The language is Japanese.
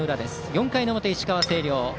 ４回の表、石川・星稜。